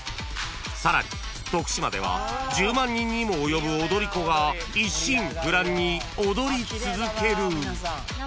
［さらに徳島では１０万人にも及ぶ踊り子が一心不乱に踊り続ける！］